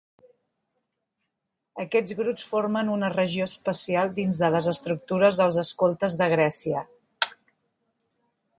Aquests grups formen una regió especial dins de les estructures dels Escoltes de Grècia.